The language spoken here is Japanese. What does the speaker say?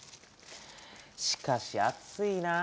しかし暑いなぁ。